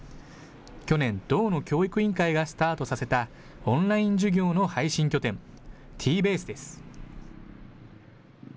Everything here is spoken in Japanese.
去年、道の教育委員会がスタートさせたオンライン授業の配信拠点、Ｔーｂａｓｅです。